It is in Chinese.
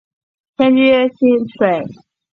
迁居蕲水。